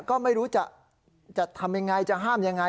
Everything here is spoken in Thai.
ก็ไม่รู้จะทำยังไงจะห้ามยังไง